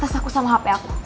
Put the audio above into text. terus aku sama hp aku